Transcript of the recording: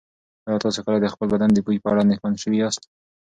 ایا تاسو کله د خپل بدن د بوی په اړه اندېښمن شوي یاست؟